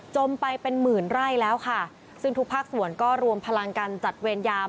ไปเป็นหมื่นไร่แล้วค่ะซึ่งทุกภาคส่วนก็รวมพลังกันจัดเวรยาม